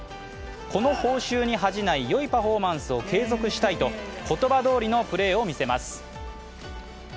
この報酬に恥じない良いパフォーマンスを継続したいと言葉どおりのプレーを見せます。